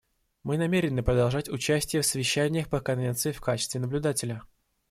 Мы намерены продолжать участие в совещаниях по Конвенции в качестве наблюдателя.